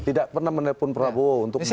tidak pernah menelepon prabowo untuk menyebut